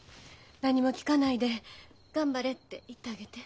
何も聞かないで「頑張れ」って言ってあげて。